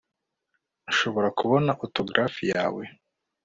Nshobora kubona autografi yawe